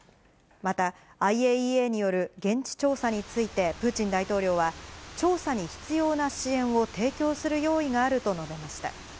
また、ＩＡＥＡによる現地調査について、プーチン大統領は、調査に必要な支援を提供する用意があると述べました。